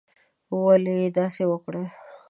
ولي یې داسي وکړل؟